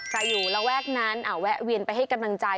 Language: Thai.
อยู่ระแวกนั้นแวะเวียนไปให้กำลังใจ